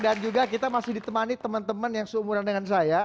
dan juga kita masih ditemani teman teman yang seumuran dengan saya